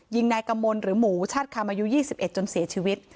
ยิงนายกมลหรือหมูชาติคำอายุ๒๑จนเสียชีวิต